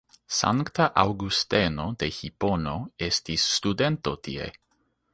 Sankta Aŭgusteno de Hipono estis studento tie.